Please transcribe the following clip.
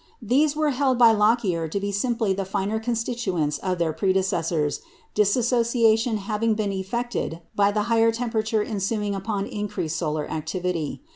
These were held by Lockyer to be simply the finer constituents of their predecessors, dissociation having been effected by the higher temperature ensuing upon increased solar activity.